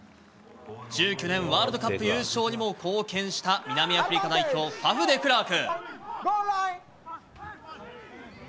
１９年ワールドカップ優勝にも貢献した南アフリカ代表、ファフ・デクラーク。